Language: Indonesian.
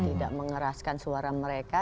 tidak mengeraskan suara mereka